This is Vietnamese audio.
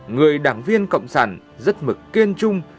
người đảng viên cộng sản rất mực kiên trung